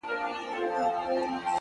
زه نه كړم گيله اشــــــــــــنا؛